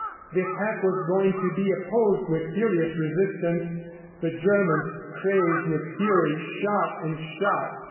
The attack was going to be opposed with furious resistance. The Germans, crazed with fury, shot and shot.